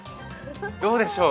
どうでしょう？